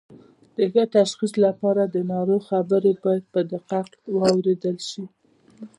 د ښه تشخیص لپاره د ناروغ خبرې باید په دقت واوریدل شي